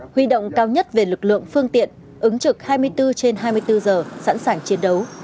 huy động cao nhất về lực lượng phương tiện ứng trực hai mươi bốn trên hai mươi bốn giờ sẵn sàng chiến đấu